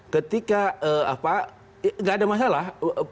ketika nggak ada masalah